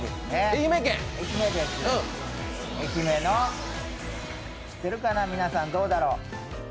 愛媛の、知ってるかな、皆さん、どうだろ。